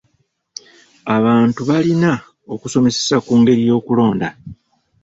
Abantu balina okusomesesa ku ngeri y'okulonda.